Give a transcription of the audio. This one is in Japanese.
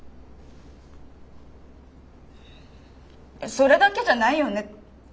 それだけじゃないよね？